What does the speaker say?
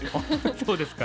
そうですか。